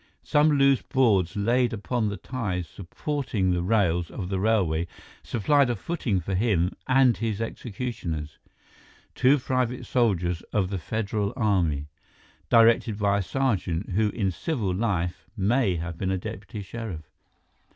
Some loose boards laid upon the ties supporting the rails of the railway supplied a footing for him and his executioners—two private soldiers of the Federal army, directed by a sergeant who in civil life may have been a deputy sheriff.